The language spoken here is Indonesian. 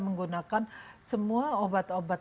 menggunakan semua obat obat